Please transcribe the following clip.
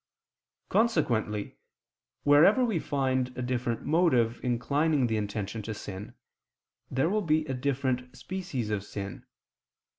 Consequently wherever we find a different motive inclining the intention to sin, there will be a different species of sin.